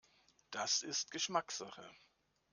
Das ist Geschmackssache.